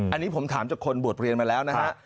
อันนี้ผมถามจากคนบวชเรียนมาแล้วนะฮะ